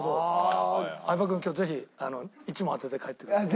相葉君今日ぜひ１問当てて帰ってください。